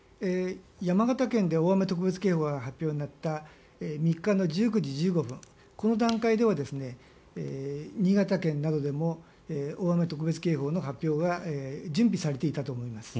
山形県で大雨特別警報が出た３日の１９時１５分この段階では新潟県などでも大雨特別警報の発表が準備されていたと思います。